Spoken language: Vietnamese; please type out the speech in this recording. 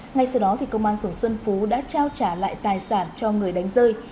ngay sau đó công an phường xuân phú đã trao trả lại tài sản cho người đánh rơi